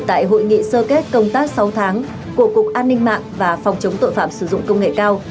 tại hội nghị sơ kết công tác sáu tháng của cục an ninh mạng và phòng chống tội phạm sử dụng công nghệ cao